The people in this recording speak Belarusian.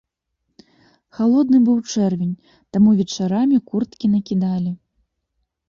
Халодны быў чэрвень, таму вечарамі курткі накідалі.